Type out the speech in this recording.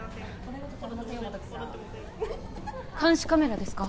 監視カメラですか？